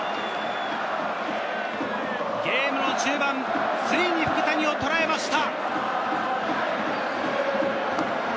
ゲームの中盤、ついに福谷をとらえました！